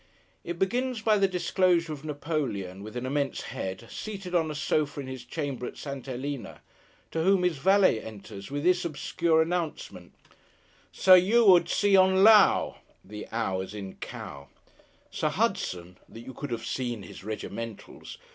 It began by the disclosure of Napoleon, with an immense head, seated on a sofa in his chamber at St. Helena; to whom his valet entered with this obscure announcement: 'Sir Yew ud se on Low?' (the ow, as in cow). Sir Hudson (that you could have seen his regimentals!)